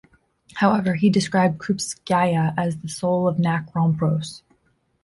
However he described Krupskaya as the "soul of Narkompros".